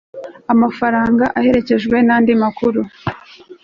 y amafaranga iherekejwe n andi makuru